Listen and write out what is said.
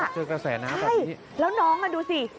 เจอกระแสน้ำแบบนี้แล้วน้องอ่ะดูสิ